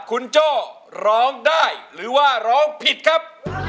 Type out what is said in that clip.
คุณโจ้ร้องได้หรือว่าร้องผิดครับ